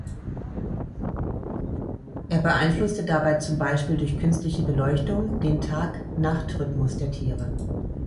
Er beeinflusste dabei zum Beispiel durch künstliche Beleuchtung den Tag-Nacht-Rhythmus der Tiere.